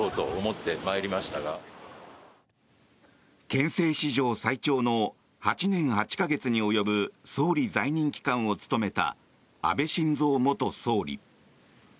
憲政史上最長の８年８か月に及ぶ総理在任期間を務めた安倍晋三元総理。